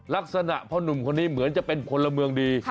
ลักษณะพ่อนุ่มคนนี้เหมือนจะเป็นคนละเมืองดี